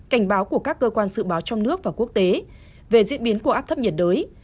cảnh báo của các cơ quan dự báo trong nước và quốc tế về diễn biến của áp thấp nhiệt đới